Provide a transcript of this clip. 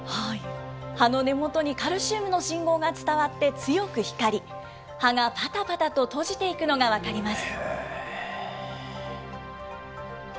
葉の根元にカルシウムの信号が伝わって、強く光り、葉がぱたぱたと閉じていくのが分かります。